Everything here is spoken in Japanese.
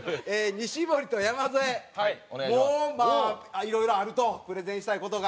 西森と山添もまあいろいろあるとプレゼンしたい事が。